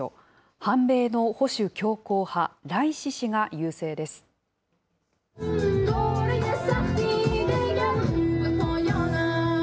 反米の保守強硬派、ライシ師が優勢です。